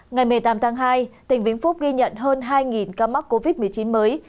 ngày một mươi tám tháng hai tỉnh vĩnh phúc ghi nhận hơn hai ca mắc covid một mươi chín mới